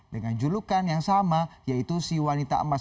dengan julukan yang sama yaitu si wanita emas